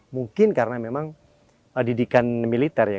mungkin karena memang didikan militer ya